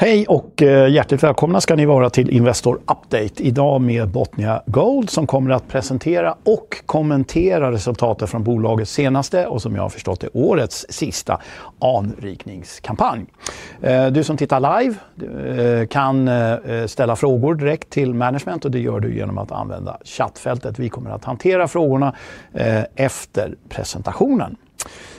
Hej och hjärtligt välkomna ska ni vara till Investor Update idag med Botnia Gold som kommer att presentera och kommentera resultatet från bolagets senaste och, som jag har förstått, det årets sista anrikningskampanj. Du som tittar live kan ställa frågor direkt till management, och det gör du genom att använda chattfältet. Vi kommer att hantera frågorna efter presentationen.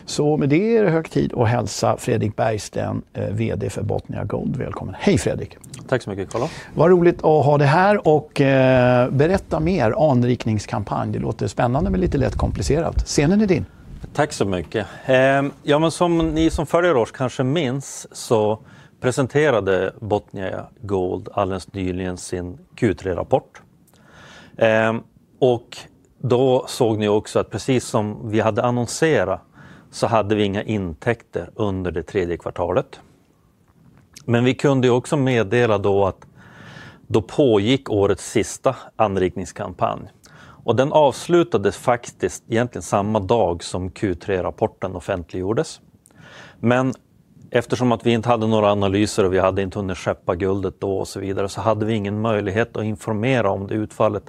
Så med det är det hög tid att hälsa Fredrik Bergsten, VD för Botnia Gold, välkommen. Hej Fredrik. Tack så mycket, Carlo. Vad roligt att ha dig här och berätta mer om anrikningskampanj. Det låter spännande men lite lätt komplicerat. Scenen är din. Tack så mycket. Ja, men som ni som följer oss kanske minns så presenterade Botnia Gold alldeles nyligen sin Q3-rapport. Och då såg ni också att precis som vi hade annonserat så hade vi inga intäkter under det tredje kvartalet. Men vi kunde ju också meddela då att då pågick årets sista anrikningskampanj. Och den avslutades faktiskt egentligen samma dag som Q3-rapporten offentliggjordes. Men eftersom att vi inte hade några analyser och vi hade inte hunnit skeppa guldet då och så vidare så hade vi ingen möjlighet att informera om det utfallet.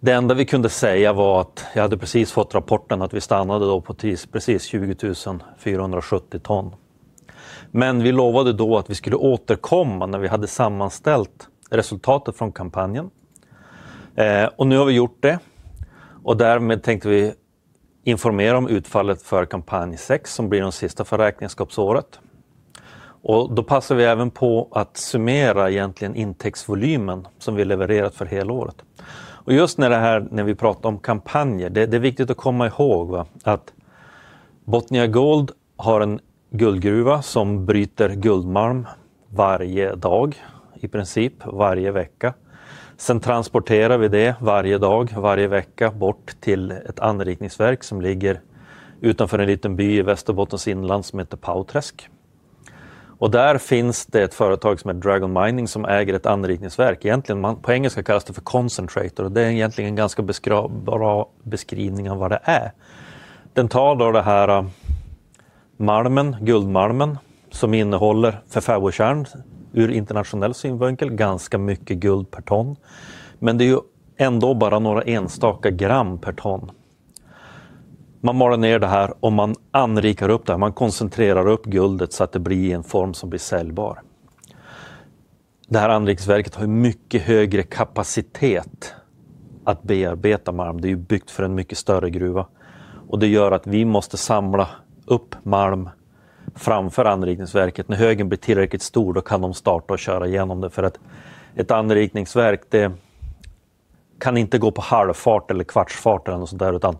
Det enda vi kunde säga var att jag hade precis fått rapporten att vi stannade då på precis 20 470 ton. Men vi lovade då att vi skulle återkomma när vi hade sammanställt resultatet från kampanjen. Och nu har vi gjort det. Och därmed tänkte vi informera om utfallet för kampanj 6 som blir den sista för räkenskapsåret. Och då passar vi även på att summera egentligen intäktsvolymen som vi levererat för hela året. Och just när det här, när vi pratar om kampanjer, det är viktigt att komma ihåg att Botnia Gold har en guldgruva som bryter guldmalm varje dag i princip, varje vecka. Sen transporterar vi det varje dag, varje vecka bort till ett anrikningsverk som ligger utanför en liten by i Västerbottens inland som heter Pauträsk. Och där finns det ett företag som heter Dragon Mining som äger ett anrikningsverk. Egentligen, på engelska kallas det för Concentrator och det är egentligen en ganska bra beskrivning av vad det är. Den tar då det här malmen, guldmalmen, som innehåller från internationell synvinkel ganska mycket guld per ton. Men det är ju ändå bara några enstaka gram per ton. Man maler ner det här och man anrikar upp det här, man koncentrerar upp guldet så att det blir i en form som blir säljbar. Det här anrikningsverket har ju mycket högre kapacitet att bearbeta malm. Det är ju byggt för en mycket större gruva. Och det gör att vi måste samla upp malm framför anrikningsverket. När högen blir tillräckligt stor då kan de starta och köra igenom det. För att ett anrikningsverk kan inte gå på halvfart eller kvartsfart eller något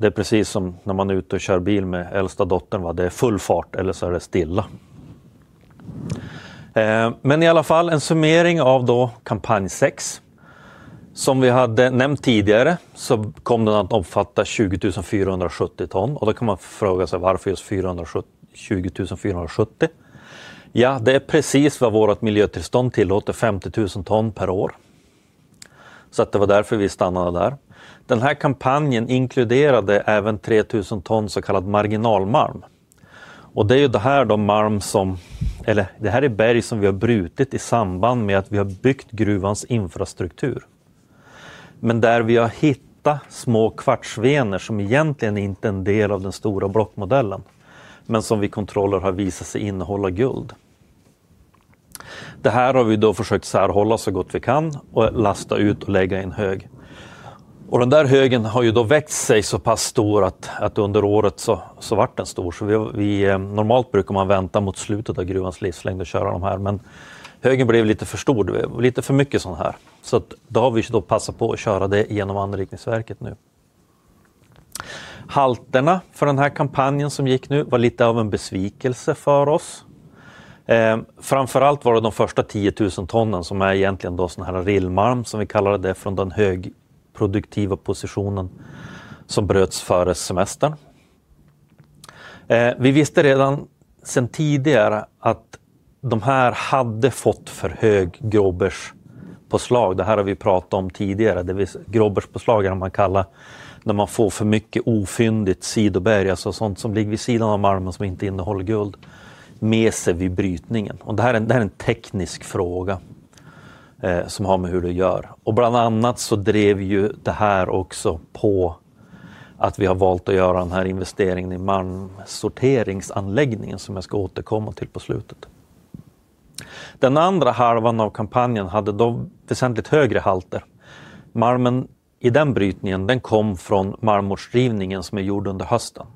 sånt där, utan det är precis som när man är ute och kör bil med äldsta dottern, det är full fart eller så är det stilla. Men i alla fall en summering av då kampanj 6. Som vi hade nämnt tidigare så kom den att omfatta 20,470 ton. Och då kan man fråga sig varför just 20,470? Ja, det är precis vad vårt miljötillstånd tillåter, 50 000 ton per år. Så det var därför vi stannade där. Den här kampanjen inkluderade även 3 000 ton så kallad marginalmalm. Det är malm som, eller det här är berg som vi har brutit i samband med att vi har byggt gruvans infrastruktur. Men där vi har hittat små kvartsvener som egentligen inte är en del av den stora blockmodellen, men som vi kontrollerar har visat sig innehålla guld. Det här har vi försökt särhålla så gott vi kan och lasta ut och lägga i en hög. Den där högen har växt sig så pass stor att under året så blev den stor. Normalt brukar man vänta mot slutet av gruvans livslängd och köra de här. Men högen blev lite för stor, lite för mycket sådana här. Så då har vi ju då passat på att köra det genom anrikningsverket nu. Halterna för den här kampanjen som gick nu var lite av en besvikelse för oss. Framförallt var det de första 10 000 tonen som är egentligen då sådana här rillmalm som vi kallar det från den högproduktiva positionen som bröts före semestern. Vi visste redan sedan tidigare att de här hade fått för hög gråbärspåslag. Det här har vi pratat om tidigare. Det vill säga gråbärspåslag är vad man kallar när man får för mycket ofyndigt sidoberg, alltså sådant som ligger vid sidan av malmen som inte innehåller guld, med sig vid brytningen. Det här är en teknisk fråga som har med hur det görs. Bland annat så drev ju det här också på att vi har valt att göra den här investeringen i malmsorteringsanläggningen som jag ska återkomma till på slutet. Den andra halvan av kampanjen hade då väsentligt högre halter. Malmen i den brytningen kom från marmorsrivningen som är gjord under hösten.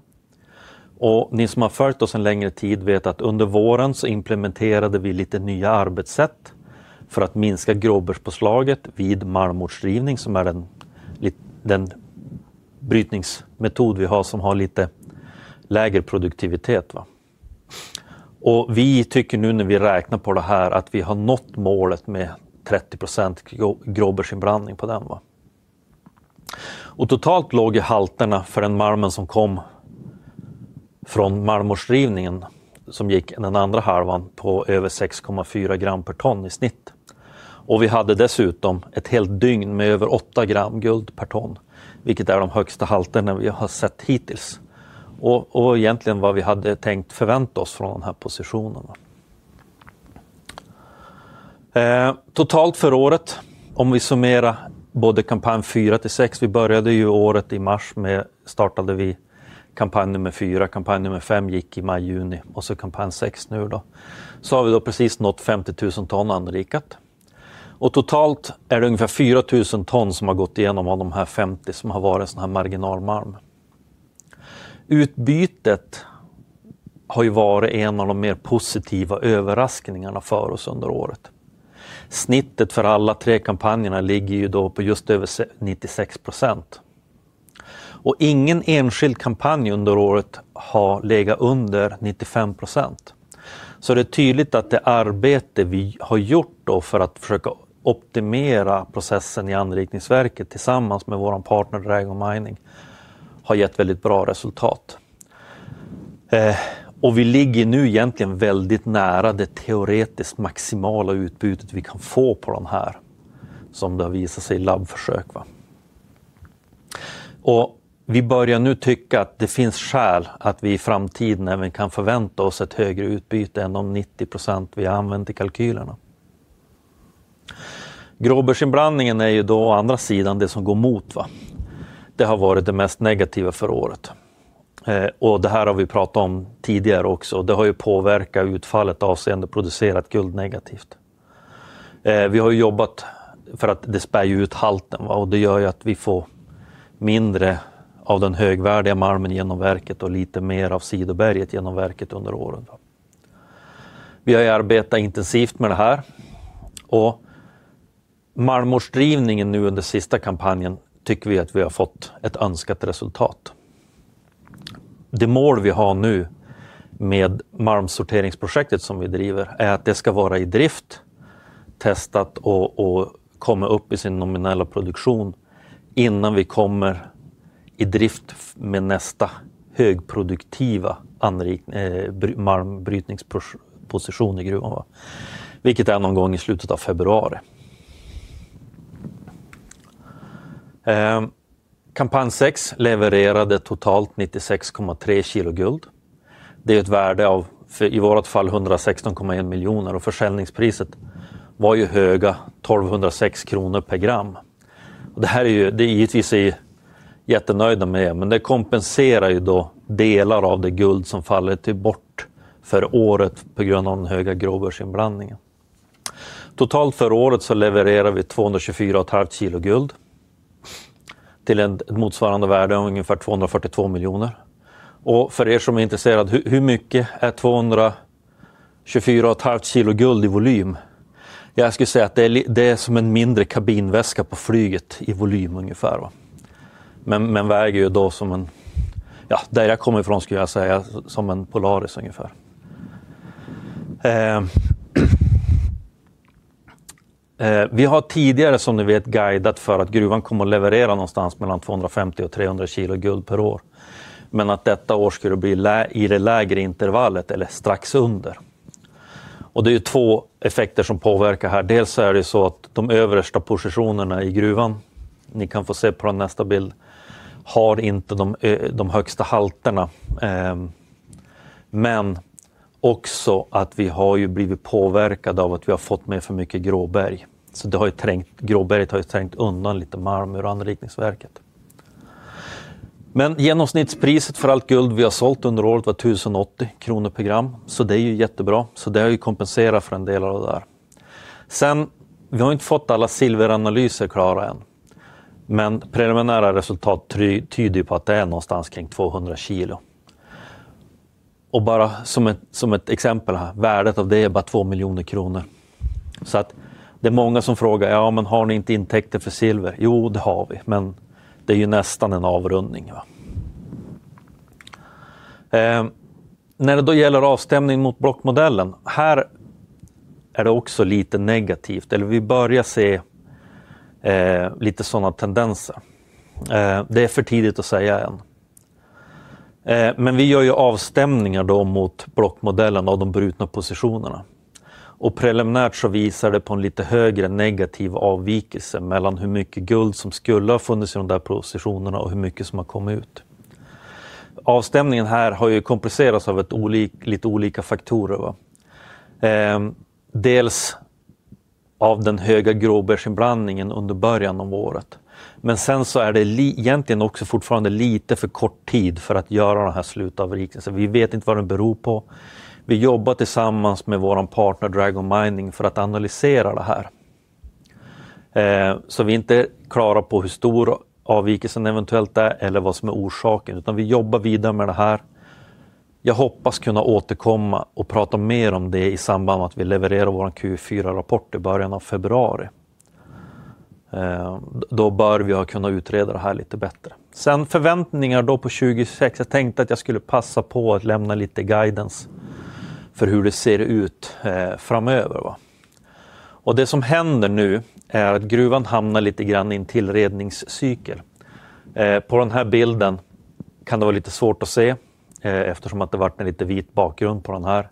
Ni som har följt oss en längre tid vet att under våren så implementerade vi lite nya arbetssätt för att minska gråbärspåslaget vid marmorsrivning som är den brytningsmetod vi har som har lite lägre produktivitet. Vi tycker nu när vi räknar på det här att vi har nått målet med 30% gråbärsinblandning på den. Totalt låg ju halterna för den malmen som kom från marmorsrivningen som gick den andra halvan på över 6,4 gram per ton i snitt. Vi hade dessutom ett helt dygn med över 8 gram guld per ton, vilket är de högsta halterna vi har sett hittills. Egentligen vad vi hade tänkt förvänta oss från de här positionerna. Totalt för året, om vi summerar både kampanj 4 till 6, vi började ju året i mars med, startade vi kampanj nummer 4, kampanj nummer 5 gick i maj, juni och så kampanj 6 nu då, så har vi då precis nått 50 000 ton anrikat. Totalt är det ungefär 4 000 ton som har gått igenom av de här 50 som har varit sådana här marginalmalm. Utbytet har ju varit en av de mer positiva överraskningarna för oss under året. Snittet för alla tre kampanjerna ligger ju då på just över 96%. Ingen enskild kampanj under året har legat under 95%. Det är tydligt att det arbete vi har gjort då för att försöka optimera processen i anrikningsverket tillsammans med vår partner Dragon Mining har gett väldigt bra resultat. Och vi ligger nu egentligen väldigt nära det teoretiskt maximala utbytet vi kan få på de här som det har visat sig i labbförsök. Vi börjar nu tycka att det finns skäl att vi i framtiden även kan förvänta oss ett högre utbyte än de 90% vi har använt i kalkylerna. Gråbärsinblandningen är ju då å andra sidan det som går mot. Det har varit det mest negativa för året. Det här har vi pratat om tidigare också. Det har ju påverkat utfallet avseende producerat guld negativt. Vi har ju jobbat för att det spär ju ut halten och det gör ju att vi får mindre av den högvärdiga malmen genom verket och lite mer av sidoberget genom verket under året. Vi har ju arbetat intensivt med det här. Marmorsrivningen nu under sista kampanjen tycker vi att vi har fått ett önskat resultat. Det mål vi har nu med malmsorteringsprojektet som vi driver är att det ska vara i drift, testat och komma upp i sin nominella produktion innan vi kommer i drift med nästa högproduktiva malmbrytningsposition i gruvan, vilket är någon gång i slutet av februari. Kampanj 6 levererade totalt 96,3 kilo guld. Det är ett värde av i vårt fall 116,1 miljoner kronor och försäljningspriset var höga 1 206 kronor per gram. Det här är givetvis något vi är jättenöjda med, men det kompenserar delar av det guld som faller bort för året på grund av den höga gråbärsinblandningen. Totalt för året så levererar vi 224,5 kilo guld till ett motsvarande värde av ungefär 242 miljoner kronor. För som är intresserade, hur mycket är 224,5 kilo guld i volym? Jag skulle säga att det är som en mindre kabinväska på flyget i volym ungefär. Men väger ju då som en, ja, där jag kommer ifrån skulle jag säga, som en Polaris ungefär. Vi har tidigare, som ni vet, guidat för att gruvan kommer att leverera någonstans mellan 250 och 300 kilo guld per år. Men att detta år skulle bli i det lägre intervallet eller strax under. Det är ju två effekter som påverkar här. Dels så är det ju så att de översta positionerna i gruvan, ni kan få se på nästa bild, har inte de högsta halterna. Men också att vi har ju blivit påverkade av att vi har fått med för mycket gråberg. Så det har ju trängt, gråberget har ju trängt undan lite malm ur anrikningsverket. Men genomsnittspriset för allt guld vi har sålt under året var 1 080 kronor per gram. Så det är ju jättebra. Det har ju kompenserat för en del av det där. Sen, vi har ju inte fått alla silveranalyser klara än. Men preliminära resultat tyder ju på att det är någonstans kring 200 kilo. Bara som ett exempel här, värdet av det är bara 2 miljoner kronor. Det är många som frågar, ja men har ni inte intäkter för silver? Jo, det har vi. Men det är ju nästan en avrundning. När det då gäller avstämning mot blockmodellen, här är det också lite negativt. Vi börjar se lite sådana tendenser. Det är för tidigt att säga än. Men vi gör ju avstämningar då mot blockmodellen av de brutna positionerna. Preliminärt så visar det på en lite högre negativ avvikelse mellan hur mycket guld som skulle ha funnits i de där positionerna och hur mycket som har kommit ut. Avstämningen här har ju kompenserats av lite olika faktorer. Dels av den höga gråbärsinblandningen under början av året. Men sen så är det egentligen också fortfarande lite för kort tid för att göra de här slutavvikelserna. Vi vet inte vad den beror på. Vi jobbar tillsammans med vår partner Dragon Mining för att analysera det här. Så vi är inte klara på hur stor avvikelsen eventuellt är eller vad som är orsaken. Vi jobbar vidare med det här. Jag hoppas kunna återkomma och prata mer om det i samband med att vi levererar vår Q4-rapport i början av februari. Då bör vi ha kunnat utreda det här lite bättre. Sen förväntningar då på 2026. Jag tänkte att jag skulle passa på att lämna lite guidance för hur det ser ut framöver. Det som händer nu är att gruvan hamnar lite grann i en tillredningscykel. På den här bilden kan det vara lite svårt att se eftersom det har varit en lite vit bakgrund på den här.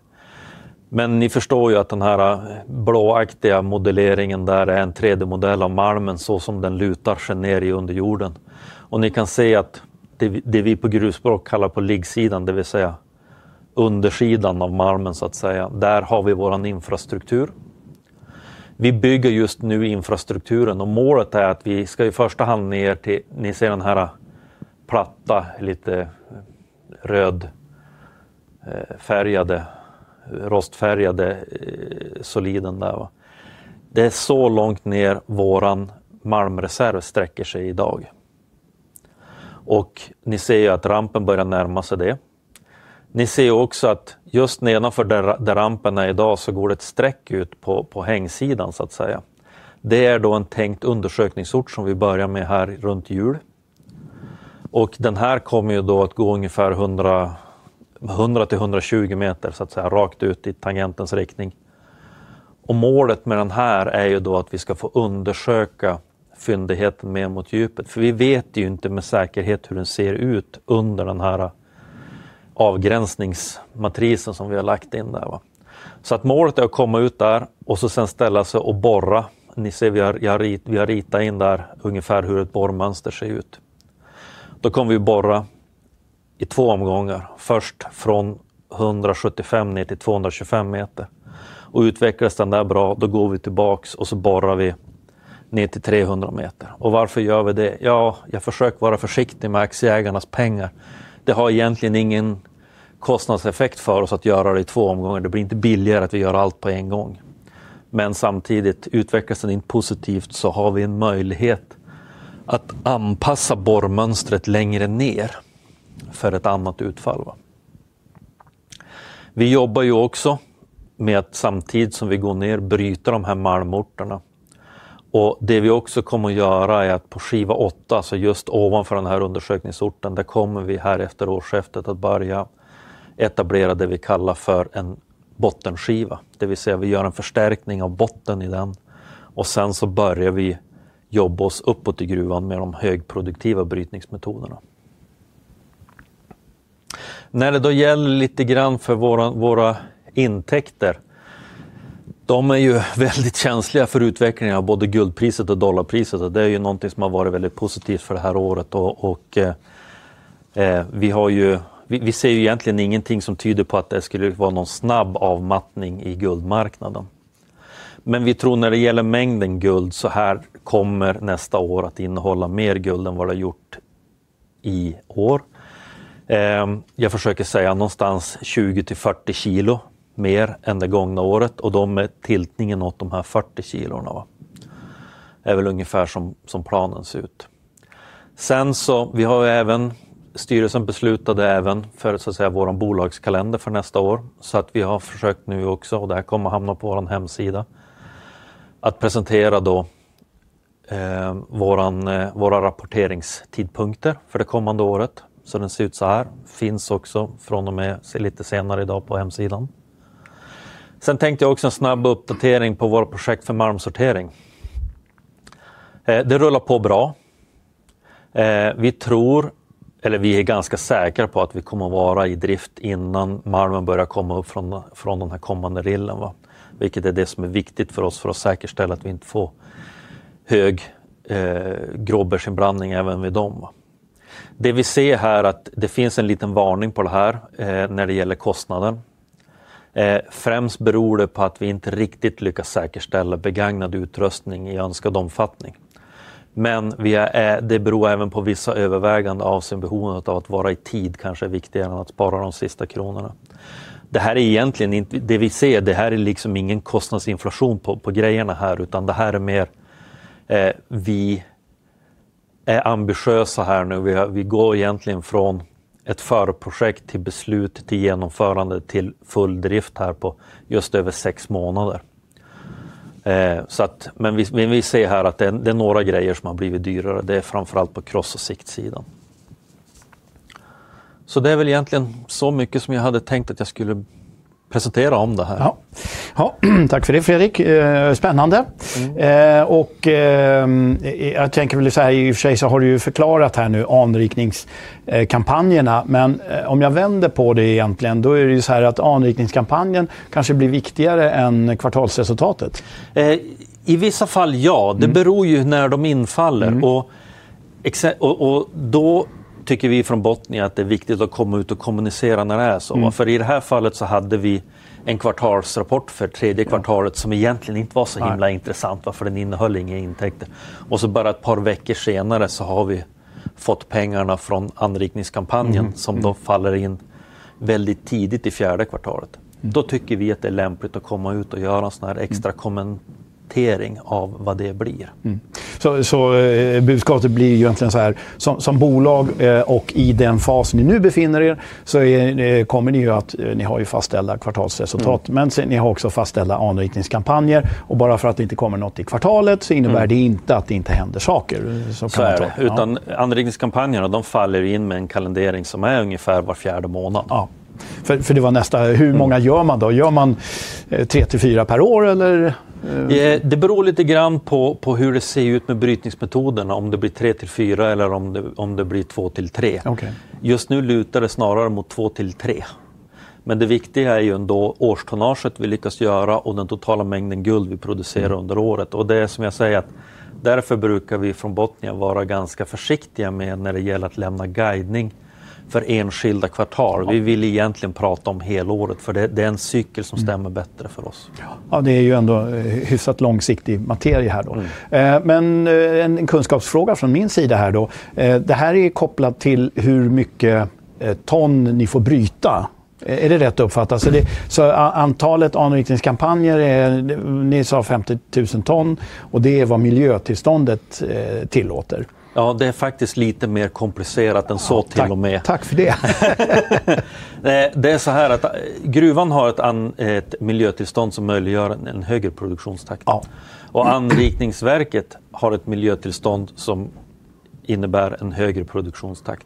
Men ni förstår ju att den här blåaktiga modelleringen, där är en 3D-modell av malmen så som den lutar sig ner under jorden. Och ni kan se att det vi på gruvspråk kallar liggsidan, det vill säga undersidan av malmen så att säga, där har vi vår infrastruktur. Vi bygger just nu infrastrukturen och målet är att vi ska i första hand ner till, ni ser den här platta, lite rödfärgade, rostfärgade soliden där. Det är så långt ner vår malmreserv sträcker sig idag. Och ni ser ju att rampen börjar närma sig det. Ni ser ju också att just nedanför där rampen är idag så går det ett sträck ut på hängsidan så att säga. Det är då en tänkt undersökningsort som vi börjar med här runt jul. Den här kommer ju då att gå ungefär 100-120 meter så att säga rakt ut i tangentens riktning. Målet med den här är ju då att vi ska få undersöka fyndigheten mer mot djupet. Vi vet ju inte med säkerhet hur den ser ut under den här avgränsningsmatrisen som vi har lagt in där. Målet är att komma ut där och så sen ställa sig och borra. Ni ser vi har ritat in där ungefär hur ett borrmönster ser ut. Då kommer vi att borra i två omgångar. Först från 175 ner till 225 meter. Utvecklas den där bra, då går vi tillbaka och så borrar vi ner till 300 meter. Varför gör vi det? Ja, jag försöker vara försiktig med aktieägarnas pengar. Det har egentligen ingen kostnadseffekt för oss att göra det i två omgångar. Det blir inte billigare att vi gör allt på en gång. Men samtidigt utvecklas den inte positivt så har vi en möjlighet att anpassa borrmönstret längre ner för ett annat utfall. Vi jobbar också med att samtidigt som vi går ner bryta de här malmorterna. Det vi också kommer att göra är att på skiva 8, alltså just ovanför den här undersökningsorten, där kommer vi här efter årsskiftet att börja etablera det vi kallar för en bottenskiva. Det vill säga vi gör en förstärkning av botten i den. Sen så börjar vi jobba oss uppåt i gruvan med de högproduktiva brytningsmetoderna. När det då gäller lite grann för våra intäkter, de är väldigt känsliga för utvecklingen av både guldpriset och dollarpriset. Och det är ju någonting som har varit väldigt positivt för det här året. Och vi har ju, vi ser ju egentligen ingenting som tyder på att det skulle vara någon snabb avmattning i guldmarknaden. Men vi tror när det gäller mängden guld så här kommer nästa år att innehålla mer guld än vad det har gjort i år. Jag försöker säga någonstans 20-40 kilo mer än det gångna året. Och då med tiltningen åt de här 40 kilona är väl ungefär som planen ser ut. Sen så, vi har ju även, styrelsen beslutade även för så att säga vår bolagskalender för nästa år. Så att vi har försökt nu också, och det här kommer att hamna på vår hemsida, att presentera då våra rapporteringstidpunkter för det kommande året. Så den ser ut så här. Finns också från och med lite senare idag på hemsidan. Sen tänkte jag också en snabb uppdatering på vårt projekt för malmsortering. Det rullar på bra. Vi tror, eller vi är ganska säkra på att vi kommer att vara i drift innan malmen börjar komma upp från den här kommande rillen. Vilket är det som är viktigt för oss för att säkerställa att vi inte får hög gråbärsinblandning även vid dem. Det vi ser här är att det finns en liten varning på det här när det gäller kostnaden. Främst beror det på att vi inte riktigt lyckas säkerställa begagnad utrustning i önskad omfattning. Men det beror även på vissa överväganden avseende behovet av att vara i tid kanske är viktigare än att spara de sista kronorna. Det här är egentligen inte, det vi ser, det här är ingen kostnadsinflation på grejerna här. Utan det här är mer, vi är ambitiösa här nu. Vi går egentligen från ett förprojekt till beslut till genomförande till full drift här på just över sex månader. Men vi ser här att det är några grejer som har blivit dyrare. Det är framförallt på kross- och siktsidan. Det är väl egentligen så mycket som jag hade tänkt att jag skulle presentera om det här. Ja, tack för det Fredrik. Spännande. Jag tänker väl så här, i och för sig så har du ju förklarat här nu anrikningskampanjerna. Men om jag vänder på det egentligen, då är det ju så här att anrikningskampanjen kanske blir viktigare än kvartalsresultatet i vissa fall. Det beror ju när de infaller. Då tycker vi från Botnia att det är viktigt att komma ut och kommunicera när det är så. För i det här fallet så hade vi en kvartalsrapport för tredje kvartalet som egentligen inte var så himla intressant, för den innehöll inga intäkter. Bara ett par veckor senare så har vi fått pengarna från anrikningskampanjen som då faller in väldigt tidigt i fjärde kvartalet. Då tycker vi att det är lämpligt att komma ut och göra en sådan här extra kommentering av vad det blir. Budskapet blir ju egentligen så här: som bolag och i den fasen ni nu befinner er så kommer ni ju att ha fastställda kvartalsresultat. Men ni har också fastställda anrikningskampanjer. Bara för att det inte kommer något i kvartalet så innebär det inte att det inte händer saker. Utan anrikningskampanjerna, de faller ju in med en kalendering som är ungefär var fjärde månad. Ja, för det var nästa. Hur många gör man då? Gör man tre till fyra per år eller? Det beror lite grann på hur det ser ut med brytningsmetoderna. Om det blir tre till fyra eller om det blir två till tre. Just nu lutar det snarare mot två till tre. Men det viktiga är ju ändå årstonnaget vi lyckas göra och den totala mängden guld vi producerar under året. Det är som jag säger att därför brukar vi från Botnia vara ganska försiktiga med när det gäller att lämna guidning för enskilda kvartal. Vi vill egentligen prata om helåret, för det är en cykel som stämmer bättre för oss. Ja, det är ju ändå hyfsat långsiktig materia här då. Men en kunskapsfråga från min sida här då. Det här är ju kopplat till hur mycket ton ni får bryta. Är det rätt att uppfatta? Så antalet anrikningskampanjer är, ni sa 50 000 ton, och det är vad miljötillståndet tillåter. Ja, det är faktiskt lite mer komplicerat än så till och med. Tack för det. Det är så här att gruvan har ett miljötillstånd som möjliggör en högre produktionstakt. Och anrikningsverket har ett miljötillstånd som innebär en högre produktionstakt.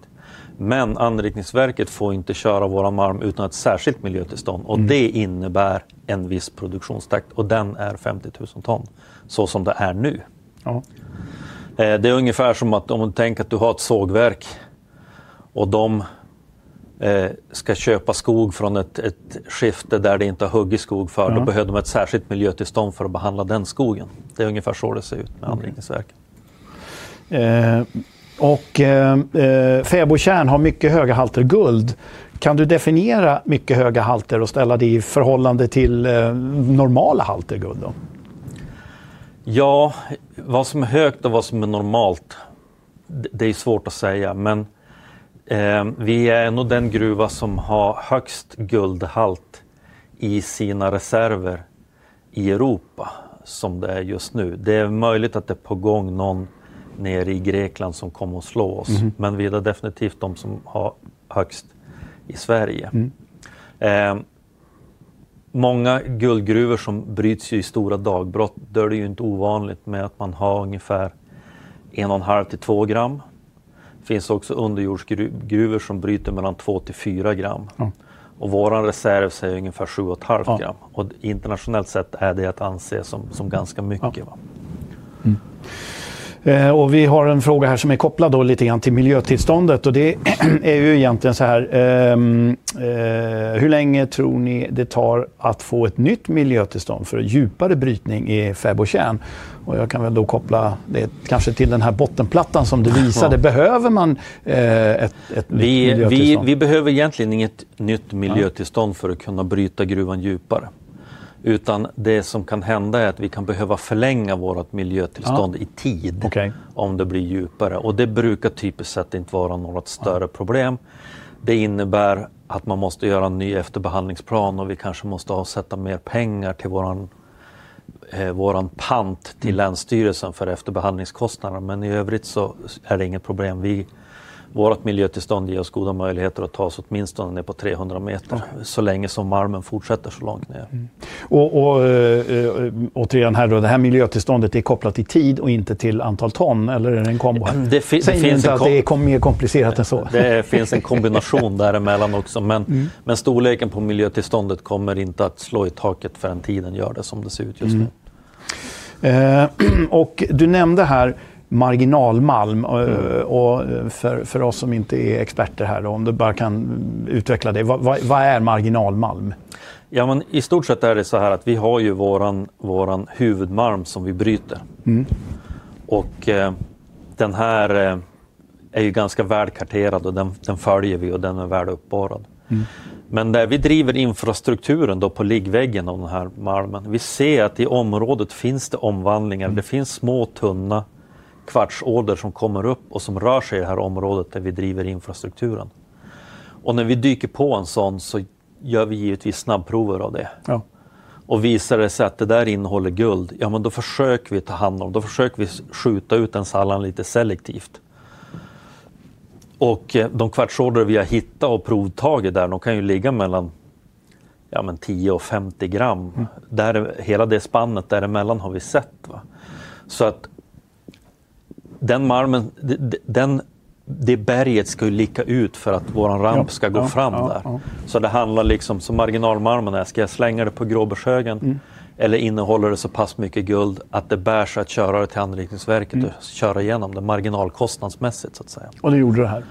Men anrikningsverket får inte köra vår malm utan ett särskilt miljötillstånd. Och det innebär en viss produktionstakt. Och den är 50 000 ton, som det är nu. Ja, det är ungefär som att om du tänker att du har ett sågverk och de ska köpa skog från ett skifte där det inte har huggits skog för, då behöver de ett särskilt miljötillstånd för att behandla den skogen. Det är ungefär så det ser ut med anrikningsverket. Och Fäbod Tjärn har mycket höga halter guld. Kan du definiera mycket höga halter och ställa det i förhållande till normala halter guld då? Ja, vad som är högt och vad som är normalt, det är svårt att säga. Men vi är ändå den gruva som har högst guldhalt i sina reserver i Europa, som det är just nu. Det är möjligt att det är på gång någon nere i Grekland som kommer att slå oss. Men vi är definitivt de som har högst i Sverige. Många guldgruvor som bryts i stora dagbrott, då är det inte ovanligt med att man har ungefär 1,5-2 gram. Det finns också underjordsgruvor som bryter mellan 2-4 gram. Vår reserv säger ungefär 7,5 gram. Internationellt sett är det att anse som ganska mycket. Vi har en fråga här som är kopplad lite grann till miljötillståndet. Och det är ju egentligen så här, hur länge tror ni det tar att få ett nytt miljötillstånd för en djupare brytning i Fäbod Tjärn? Jag kan väl då koppla det kanske till den här bottenplattan som du visade. Behöver man ett miljötillstånd? Vi behöver egentligen inget nytt miljötillstånd för att kunna bryta gruvan djupare. Utan det som kan hända är att vi kan behöva förlänga vårt miljötillstånd i tid om det blir djupare. Det brukar typiskt sett inte vara något större problem. Det innebär att man måste göra en ny efterbehandlingsplan och vi kanske måste avsätta mer pengar till vår pant till Länsstyrelsen för efterbehandlingskostnader. Men i övrigt så är det inget problem. Vårt miljötillstånd ger oss goda möjligheter att ta oss åtminstone ner på 300 meter. Så länge som malmen fortsätter så långt ner. Och återigen här då, det här miljötillståndet är kopplat till tid och inte till antal ton? Eller är det en kombination? Det finns allt mer komplicerat än så. Det finns en kombination däremellan också. Men storleken på miljötillståndet kommer inte att slå i taket förrän tiden gör det som det ser ut just nu. Och du nämnde här marginalmalm. Och för oss som inte är experter här, om du bara kan utveckla det. Vad är marginalmalm? Ja, men i stort sett är det så här att vi har ju vår huvudmalm som vi bryter. Och den här är ju ganska välkarterad och den följer vi och den är väl uppborrad. Men där vi driver infrastrukturen då på liggväggen av den här malmen, vi ser att i området finns det omvandlingar. Det finns små tunna kvartsåder som kommer upp och som rör sig i det här området där vi driver infrastrukturen. Och när vi dyker på en sådan så gör vi givetvis snabbprover av det. Ja. Och visar det sig att det där innehåller guld, ja men då försöker vi ta hand om det. Då försöker vi skjuta ut den sallan lite selektivt. Och de kvartsåder vi har hittat och provtagit där, de kan ju ligga mellan 10 och 50 gram. Där hela det spannet däremellan har vi sett. Så att den malmen, det berget ska ju likas ut för att vår ramp ska gå fram där. Så det handlar liksom som marginalmalmen är, ska jag slänga det på gråbörshögen eller innehåller det så pass mycket guld att det bär sig att köra det till anrikningsverket och köra igenom det marginalkostnadsmässigt så att säga. Och det gjorde det här?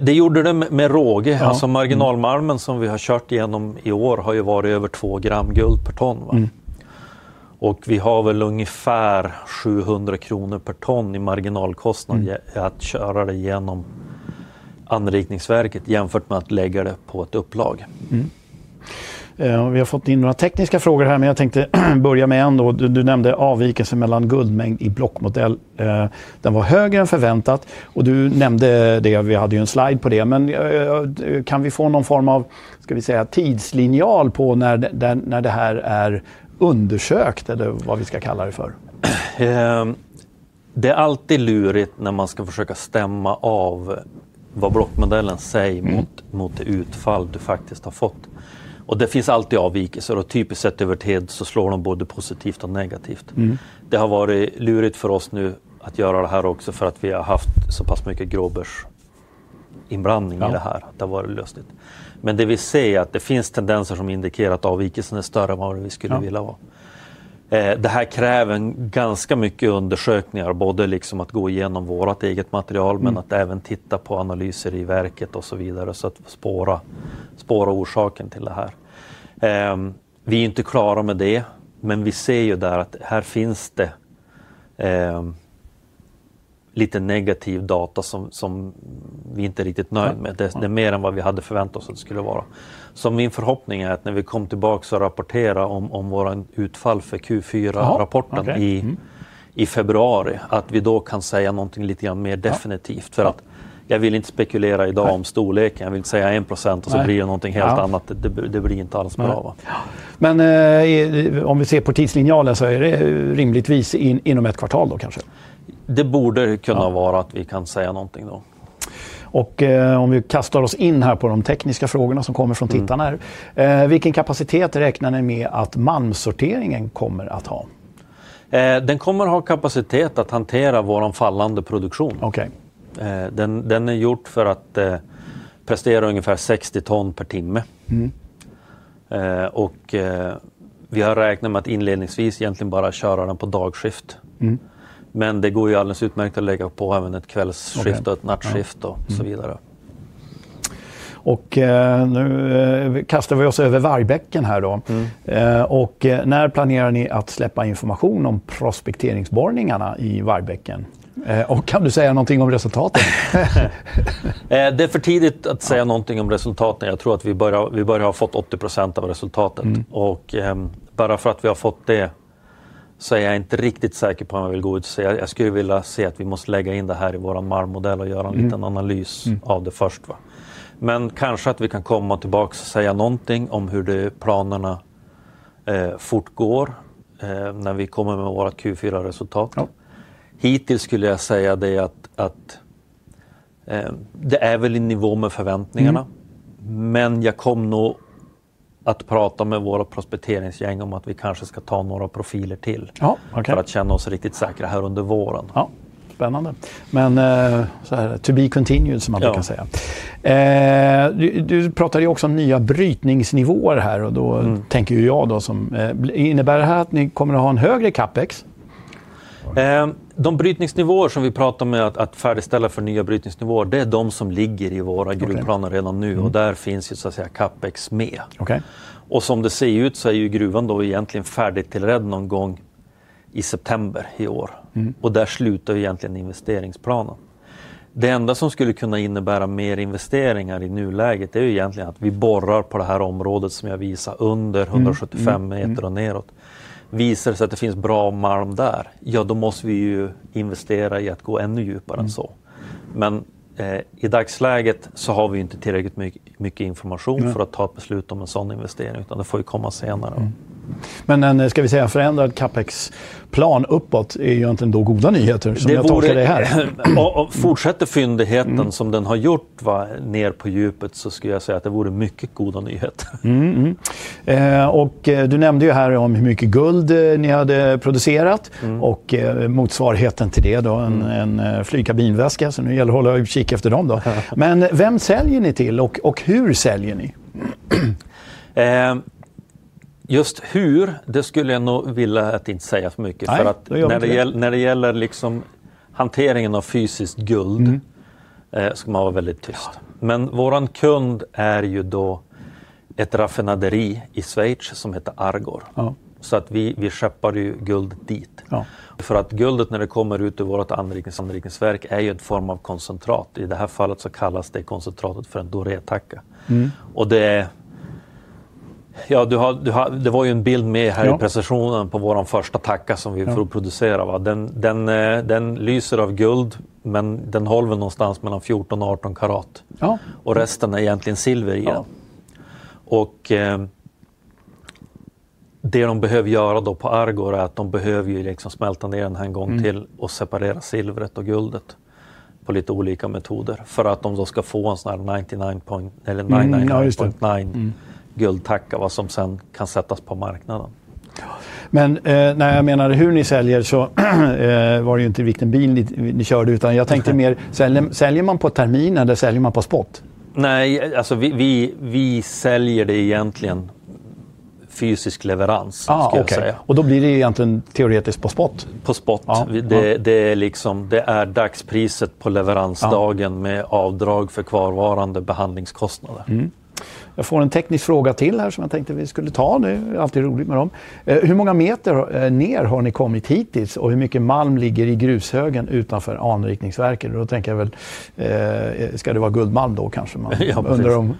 Det gjorde det med råge. Alltså marginalmalmerna som vi har kört igenom i år har ju varit över 2 gram guld per ton. Och vi har väl ungefär 700 kronor per ton i marginalkostnad att köra det igenom anrikningsverket jämfört med att lägga det på ett upplag. Vi har fått in några tekniska frågor här, men jag tänkte börja med en då. Du nämnde avvikelse mellan guldmängd i blockmodell. Den var högre än förväntat. Och du nämnde det, vi hade ju en slide på det. Men kan vi få någon form av, ska vi säga, tidslinje på när det här är undersökt eller vad vi ska kalla det för? Det är alltid lurigt när man ska försöka stämma av vad blockmodellen säger mot det utfall du faktiskt har fått. Och det finns alltid avvikelser och typiskt sett över tid så slår de både positivt och negativt. Det har varit lurigt för oss nu att göra det här också för att vi har haft så pass mycket gråbörsinblandning i det här. Det har varit lustigt. Men det vi ser är att det finns tendenser som indikerar att avvikelsen är större än vad vi skulle vilja vara. Det här kräver ganska mycket undersökningar, både liksom att gå igenom vårt eget material men att även titta på analyser i verket och så vidare så att spåra orsaken till det här. Vi är ju inte klara med det, men vi ser ju där att här finns det lite negativ data som vi inte är riktigt nöjda med. Det är mer än vad vi hade förväntat oss att det skulle vara. Så min förhoppning är att när vi kom tillbaka och rapporterade om vår utfall för Q4-rapporten i februari, att vi då kan säga någonting lite grann mer definitivt. För att jag vill inte spekulera idag om storleken. Jag vill säga 1% och så blir det någonting helt annat. Det blir inte alls bra. Men om vi ser på tidslinjalen så är det rimligtvis inom ett kvartal då kanske? Det borde kunna vara att vi kan säga någonting då. Och om vi kastar oss in här på de tekniska frågorna som kommer från tittarna här. Vilken kapacitet räknar ni med att malmsorteringen kommer att ha? Den kommer att ha kapacitet att hantera vår fallande produktion. Okej. Den är gjord för att prestera ungefär 60 ton per timme. Vi har räknat med att inledningsvis egentligen bara köra den på dagskift. Men det går ju alldeles utmärkt att lägga på även ett kvällsskift och ett nattskift och så vidare. Nu kastar vi oss över Vargbäcken här då. När planerar ni att släppa information om prospekteringsborrningarna i Vargbäcken? Och kan du säga någonting om resultatet? Det är för tidigt att säga någonting om resultaten. Jag tror att vi börjar ha fått 80% av resultatet. Bara för att vi har fått det så är jag inte riktigt säker på om jag vill gå ut och säga. Jag skulle vilja se att vi måste lägga in det här i vår mallmodell och göra en liten analys av det först. Men kanske att vi kan komma tillbaka och säga någonting om hur planerna fortgår när vi kommer med vårt Q4-resultat. Hittills skulle jag säga det att det är i nivå med förväntningarna. Men jag kom nog att prata med vår prospekteringsgäng om att vi kanske ska ta några profiler till för att känna oss riktigt säkra här under våren. Ja, spännande. Men så här, to be continued som man brukar säga. Ja. Du pratar ju också om nya brytningsnivåer här och då tänker ju jag då som. Innebär det här att ni kommer att ha en högre capex? De brytningsnivåer som vi pratar med att färdigställa för nya brytningsnivåer, det är de som ligger i våra gruvplaner redan nu och där finns ju så att säga capex med. Okej. Som det ser ut så är ju gruvan då egentligen färdigtillrädd någon gång i september i år. Där slutar ju egentligen investeringsplanen. Det enda som skulle kunna innebära mer investeringar i nuläget är ju egentligen att vi borrar på det här området som jag visar under 175 meter och neråt. Visar det sig att det finns bra malm där, ja då måste vi ju investera i att gå ännu djupare än så. Men i dagsläget så har vi ju inte tillräckligt mycket information för att ta ett beslut om en sådan investering, utan det får ju komma senare. Men en, ska vi säga, förändrad capex-plan uppåt är ju egentligen då goda nyheter som vi tolkar det här. Fortsätter fyndigheten som den har gjort ner på djupet så skulle jag säga att det vore mycket goda nyheter. Och du nämnde ju här om hur mycket guld ni hade producerat och motsvarigheten till det, då en flygkabinväska. Så nu gäller det att hålla utkik efter dem då. Men vem säljer ni till och hur säljer ni? Just hur, det skulle jag nog vilja att inte säga för mycket. För att när det gäller liksom hanteringen av fysiskt guld, ska man vara väldigt tyst. Men vår kund är ju då ett raffinaderi i Schweiz som heter Argor. Så att vi skeppar ju guld dit. Ja. För att guldet när det kommer ut i vårt anrikningsverk är ju en form av koncentrat. I det här fallet så kallas det koncentratet för en doré-tacka. Och det är, ja, du har, det var ju en bild med här i presentationen på vår första tacka som vi får producera. Den lyser av guld, men den håller väl någonstans mellan 14 och 18 karat. Ja. Och resten är egentligen silver igen. Ja. Och det de behöver göra då på Argor är att de behöver ju smälta ner den här en gång till och separera silvret och guldet på lite olika metoder. För att de då ska få en sådan här 99,9% guldtacka, vad som sen kan sättas på marknaden. Ja. Men när jag menade hur ni säljer så var det ju inte vilken bil ni körde, utan jag tänkte mer, säljer man på termin eller säljer man på spot? Nej, vi säljer det egentligen fysisk leverans, skulle jag säga. Och då blir det ju egentligen teoretiskt på spot? På spot. Det är liksom, det är dagspriset på leveransdagen med avdrag för kvarvarande behandlingskostnader. Jag får en teknisk fråga till här som jag tänkte vi skulle ta nu. Det är alltid roligt med dem. Hur många meter ner har ni kommit hittills och hur mycket malm ligger i grushögen utanför anrikningsverket? Då tänker jag väl, ska det vara guldmalm då kanske man undrar om.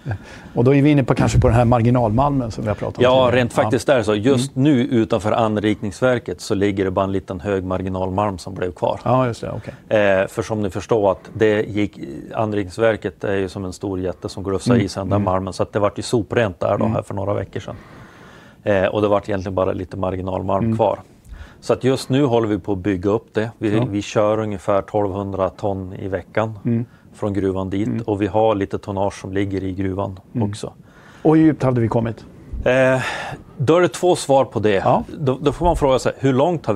Och då är vi inne på kanske på den här marginalmalmen som vi har pratat om. Ja, rent faktiskt där så, just nu utanför anrikningsverket så ligger det bara en liten hög marginalmalm som blev kvar. Ja, just det, okej. För som ni förstår att det gick, anrikningsverket är ju som en stor jätte som gruffsar i sig den där malmen. Så det blev ju soprent där då här för några veckor sedan. Det blev egentligen bara lite marginalmalm kvar. Så just nu håller vi på att bygga upp det. Vi kör ungefär 1,200 ton i veckan från gruvan dit. Vi har lite tonnage som ligger i gruvan också. Hur djupt hade vi kommit? Då är det två svar på det. Då får man fråga sig, hur långt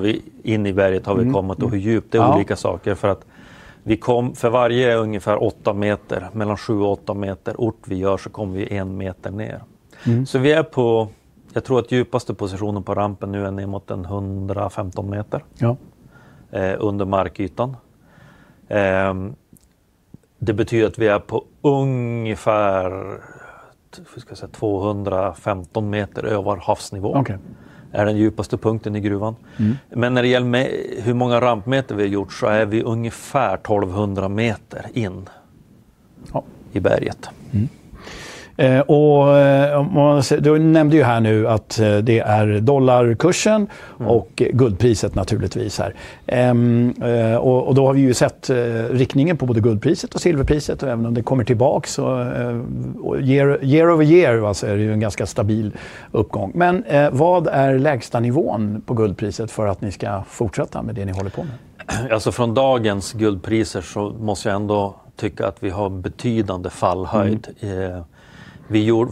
in i berget har vi kommit och hur djupt? Det är olika saker. För att vi kom, för varje ungefär 8 meter, mellan 7 och 8 meter ort vi gör så kommer vi en meter ner. Så vi är på, jag tror att djupaste positionen på rampen nu är ner mot en 115 meter. Ja. Under markytan. Det betyder att vi är på ungefär, hur ska jag säga, 215 meter över havsnivå. Okej. Är den djupaste punkten i gruvan. Men när det gäller hur många rampmeter vi har gjort så är vi ungefär 1200 meter in. Ja. I berget. Och om man ser, du nämnde ju här nu att det är dollarkursen och guldpriset naturligtvis här. Och då har vi ju sett riktningen på både guldpriset och silverpriset. Och även om det kommer tillbaka så, och year over year alltså är det ju en ganska stabil uppgång. Men vad är lägsta nivån på guldpriset för att ni ska fortsätta med det ni håller på med? Från dagens guldpriser så måste jag tycka att vi har betydande fallhöjd. Vi gjorde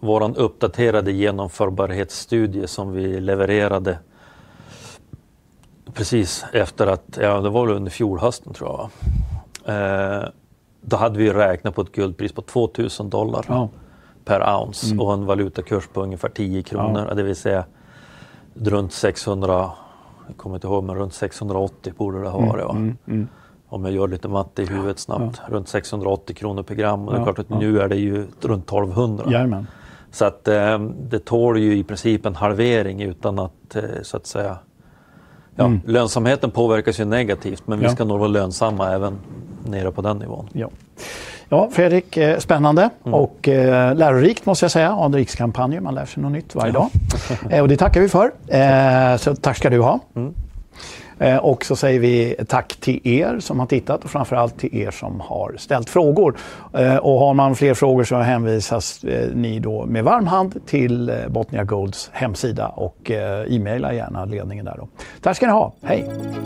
vår uppdaterade genomförbarhetsstudie som vi levererade precis efter att, ja, det var under fjolhösten tror jag. Då hade vi räknat på ett guldpris på $2,000 per ounce och en valutakurs på ungefär 10 kronor. Det vill säga runt 600, jag kommer inte ihåg, men runt 680 borde det ha varit. Om jag gör lite matte i huvudet snabbt. Runt 680 kronor per gram. Det är klart att nu är det ju runt 1,200. Jajamän. Så att det tål ju i princip en halvering utan att, så att säga, ja, lönsamheten påverkas ju negativt. Men vi ska nog vara lönsamma även nere på den nivån. Ja. Ja, Fredrik, spännande och lärorikt måste jag säga. Anrikskampanjer, man lär sig något nytt varje dag. Det tackar vi för. Tack ska du ha. Så säger vi tack till som har tittat och framförallt till som har ställt frågor. Har man fler frågor så hänvisas ni då med varm hand till Botnia Golds hemsida och e-maila gärna ledningen där då. Tack ska ni ha. Hej.